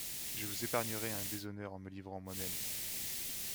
Je vous épargnerai un déshonneur en me livrant moi-même.